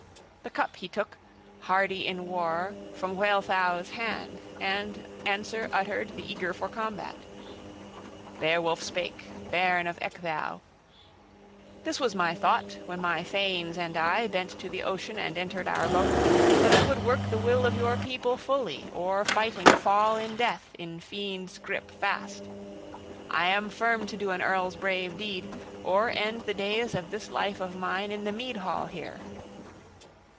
The cup he took, hardy in war, from Wealhtheow's hand, and answer uttered the eager for combat. Beowulf spake, bairn of Ecgtheow: "This was my thought, when my thanes and I bent to the ocean and entered our boat, that I would work the will of your people fully, or fighting fall in death, in fiend's gripe fast. I am firm to do an earl's brave deed, or end the days of this life of mine in the mead hall here."